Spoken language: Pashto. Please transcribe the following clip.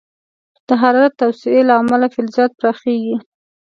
د حرارتي توسعې له امله فلزات پراخېږي.